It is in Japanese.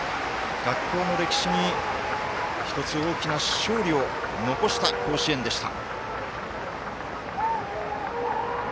学校の歴史に１つ大きな勝利を残した甲子園でした。